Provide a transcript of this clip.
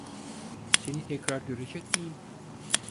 Seni tekrar görecek miyim?